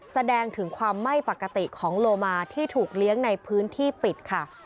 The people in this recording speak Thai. แสดงถึงความไม่ปกติของโลมาที่ถูกเลี้ยงในพื้นที่ปิดค่ะ